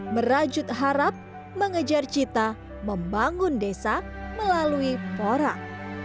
merajut harap mengejar cita membangun desa melalui porang